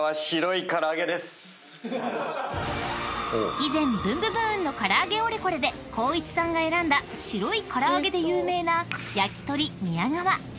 ［以前『ブンブブーン！』の唐揚げオレコレで光一さんが選んだ白いからあげで有名な］